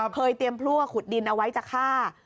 เคยเตรียมพลั่วขุดดินเอาไว้จะฆ่า